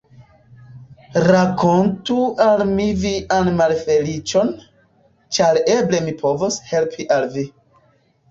Rakontu al mi vian malfeliĉon, ĉar eble mi povos helpi al vi.